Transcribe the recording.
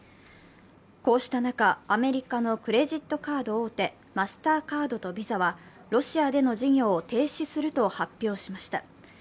こうした中、アメリカのクレジットカード大手、マスターカードとビザはロシアでの事業を停止すると発表しました。